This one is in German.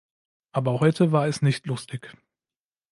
Aber heute war es nicht lustig.